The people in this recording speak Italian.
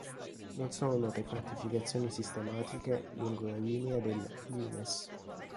Non sono note fortificazioni sistematiche lungo la linea del "Limes".